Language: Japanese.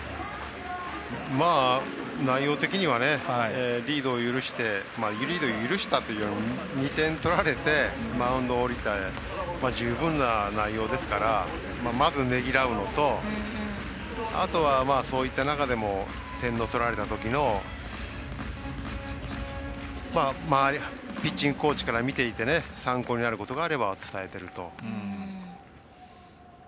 内容的にはリードを許したというより２点取られてマウンド降りたら十分な内容ですからまず、ねぎらうのとあとは、そういった中でも点の取られたときのピッチングコーチから見ていて参考になることがあれば伝えていると。